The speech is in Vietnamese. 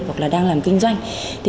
hoặc là đang làm kinh doanh